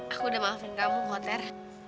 aku sudah memaafkan kamu moter